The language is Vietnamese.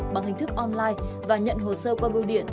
bằng hình thức online và nhận hồ sơ qua bưu điện